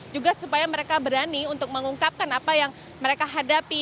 juga supaya mereka berani untuk mengungkapkan apa yang mereka hadapi